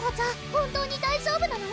本当に大丈夫なの？